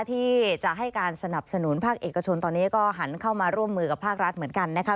ที่จะให้การสนับสนุนภาคเอกชนตอนนี้ก็หันเข้ามาร่วมมือกับภาครัฐเหมือนกันนะคะ